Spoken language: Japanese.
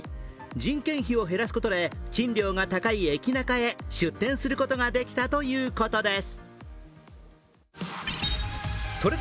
人件費を減らすことで賃料が高い駅ナカへ出店することができたということです。